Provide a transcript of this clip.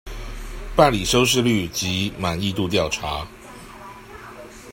辦理收視率及滿意度調查